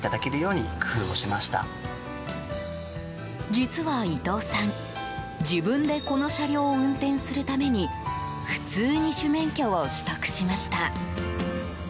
実は、伊藤さん自分でこの車両を運転するために普通二種免許を取得しました。